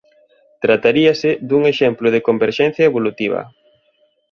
Trataríase dun exemplo de converxencia evolutiva.